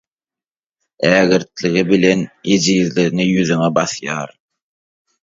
Ägirtligi bilen ejizligiňi ýüzüňe basýar.